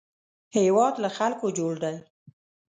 هېواد له خلکو جوړ دی